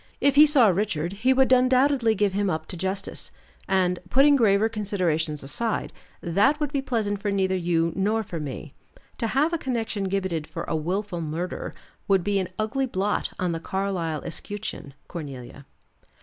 If he saw Richard, he would undoubtedly give him up to justice, and putting graver considerations aside that would be pleasant for neither you nor for me. To have a connection gibbeted for a willful murder would be an ugly blot on the Carlyle escutcheon, Cornelia."